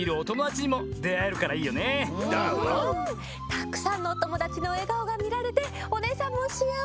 たくさんのおともだちのえがおがみられておねえさんもしあわせ！